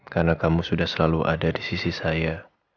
karena kamu sudah selalu ada di sisi saya